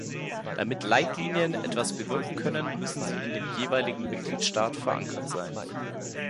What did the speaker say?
Damit Leitlinien etwas bewirken können, müssen sie in dem jeweiligen Mitgliedstaat verankert sein.